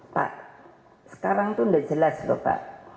pak sekarang itu sudah jelas lho pak